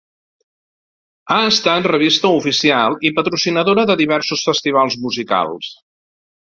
Ha estat revista oficial i patrocinadora de diversos festivals musicals.